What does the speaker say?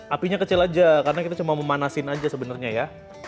apinya kecil aja karena kita cuma memanasin aja sebenarnya ya